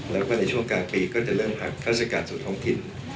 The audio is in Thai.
แล้วก็ในช่วงกลางปีก็จะเริ่มพักข้าราชการสู่ท้องถิ่น